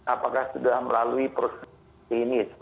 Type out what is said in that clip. apakah sudah melalui proses ini